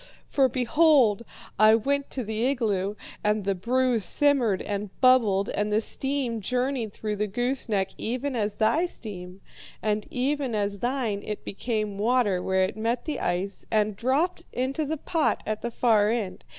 For behold! I went to the igloo, and the brew simmered and bubbled, and the steam journeyed through the gooseneck even as thy steam, and even as thine it became water where it met the ice, and dropped into the pot at the far end.